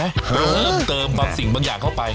เพิ่มเติมบางสิ่งบางอย่างเข้าไป